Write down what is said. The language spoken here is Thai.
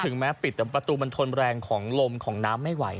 แม้ปิดแต่ประตูมันทนแรงของลมของน้ำไม่ไหว